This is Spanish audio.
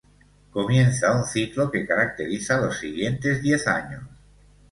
Comienza un ciclo que caracteriza los siguientes diez años.